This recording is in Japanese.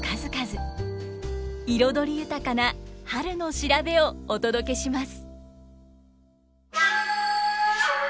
彩り豊かな春の調べをお届けします。